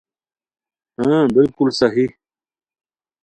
ہین بالکل صحیح